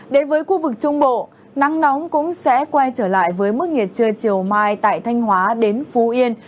đến với khu vực trung bộ nắng nóng cũng sẽ quay trở lại với mức nhiệt trưa chiều mai tại thanh hóa đến phú yên